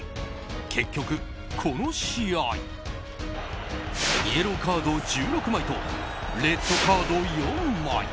結局、この試合イエローカード１６枚とレッドカード４枚。